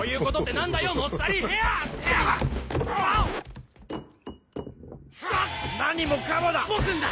何もかもだ！